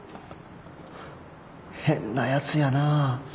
変なやつやなぁ。